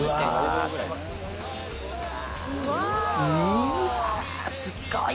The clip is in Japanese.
うわすごい！